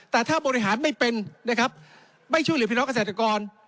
แต่ถ้าบริหารไม่เป็นนะครับไม่ช่วยเหลือพี่น้องเกษตรกร